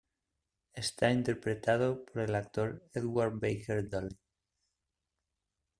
Está interpretado por el actor Edward Baker-Duly.